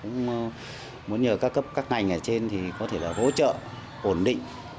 cũng muốn nhờ các cấp các ngành ở trên thì có thể là hỗ trợ ổn định